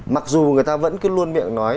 mặc dù người ta vẫn cứ luôn miệng nói